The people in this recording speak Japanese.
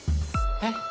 えっ？